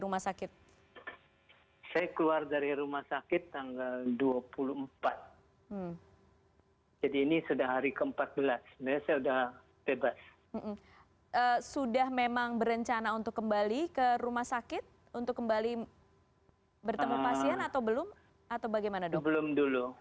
mungkin belum dulu